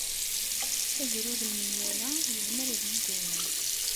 Agrud n menwala yezmer ad yeg aya.